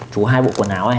chú có hai bộ quần áo này